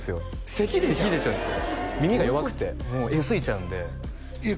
せき出ちゃうんです耳が弱くてもうえずいちゃうんでえっ？